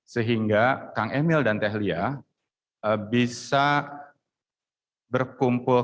sehingga kang emil dan tehlia bisa berkumpul